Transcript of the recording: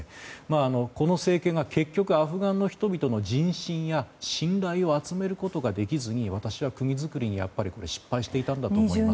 この政権が結局アフガンの人々の人心や信頼を集めることができずに私は国づくりに失敗していたんだと思います。